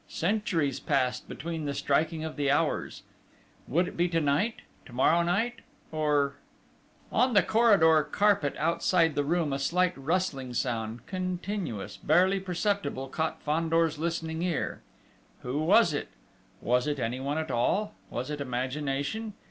Centuries passed between the striking of the hours!... Would it be to night?... To morrow night?... Or ... On the corridor carpet outside the room, a slight rustling sound, continuous, barely perceptible, caught Fandor's listening ear.... Who was it?... Was it anyone at all?... Was it imagination?